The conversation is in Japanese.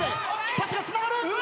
パスがつながる。